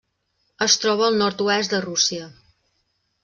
Es troba al nord-oest de Rússia.